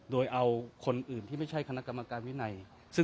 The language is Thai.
โดยเอาคนอื่นที่ไม่ใช่คณะกรรมการวินัย